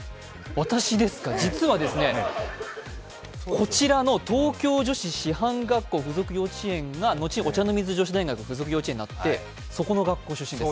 私ですか、実はですね、こちらの東京女子師範学校附属幼稚園が後、お茶の水女子附属幼稚園になってそこの学校出身です。